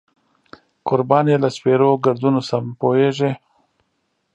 قربان یې له سپېرو ګردونو شم، پوهېږې.